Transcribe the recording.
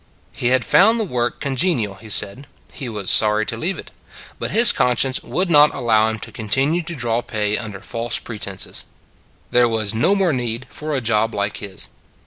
He had found the work con genial, he said; he was sorry to leave it. But his conscience would not allow him to continue to draw pay under false pretenses. There was no more need for a job like his.